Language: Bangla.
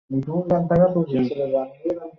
কিচ্যানার তোমার বন্ধু ছিল!